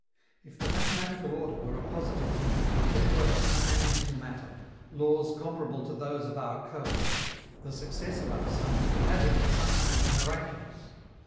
If the mathematical order were a positive thing, if there were, immanent in matter, laws comparable to those of our codes, the success of our science would have in it something of the miraculous.